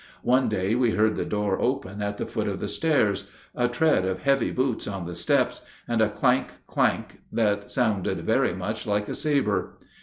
One day we heard the door open at the foot of the stairs, a tread of heavy boots on the steps, and a clank, clank that sounded very much like a saber.